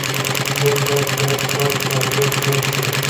موږ باید ګډ کار ته ارزښت ورکړو